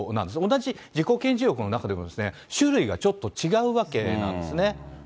同じ自己顕示欲の中でも種類がちょっと違うわけなんですね。